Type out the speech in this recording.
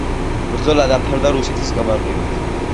ბრძოლა დამთავრდა რუსეთის გამარჯვებით.